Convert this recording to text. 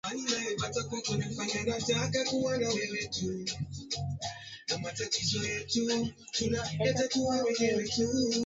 Wanyama wote wanaweza kuathiriwa na ugonjwa wa ukurutu